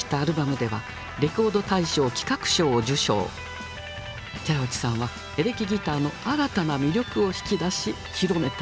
寺内さんはエレキギターの新たな魅力を引き出し広めたのです。